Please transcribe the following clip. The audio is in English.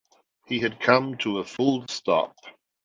He had come to a full stop